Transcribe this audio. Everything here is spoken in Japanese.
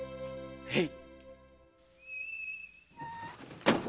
へい！